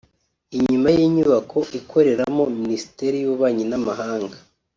inyuma y’inyubako ikoreramo Minisiteri y’Ububanyi n’Amahanga